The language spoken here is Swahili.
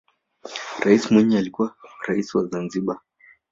rais mwinyi alikuwa raisi wa zanzibar